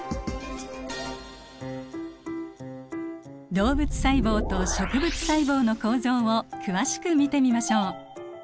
動物細胞と植物細胞の構造を詳しく見てみましょう。